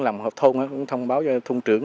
làm hợp thôn cũng thông báo cho thôn trưởng